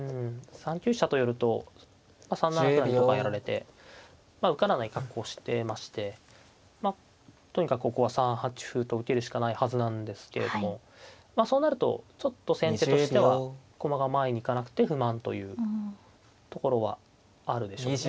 ３九飛車と寄ると３七歩成とかやられて受からない格好してましてまあとにかくここは３八歩と受けるしかないはずなんですけれどもそうなるとちょっと先手としては駒が前に行かなくて不満というところはあるでしょうね。